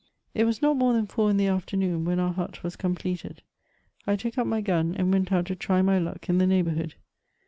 It was not more than four in the afternoon when our hut was completed. 1 took up my gun, and went out to try my luck in the neighbourhood.